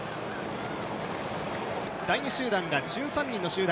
第２集団が１３人の集団。